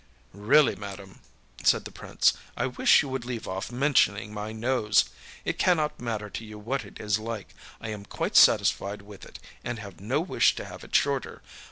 â âReally, madam,â said the Prince, âI wish you would leave off mentioning my nose. It cannot matter to you what it is like. I am quite satisfied with it, and have no wish to have it shorter.